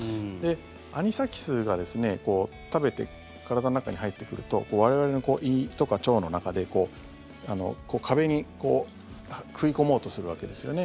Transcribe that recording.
アニサキスが食べて、体の中に入ってくると我々の胃とか腸の中で壁に食い込もうとするわけですよね。